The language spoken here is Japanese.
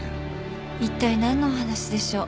一体なんのお話でしょう？